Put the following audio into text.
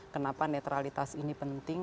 kenapa netralitas ini penting